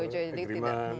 non disclosure jadi tidak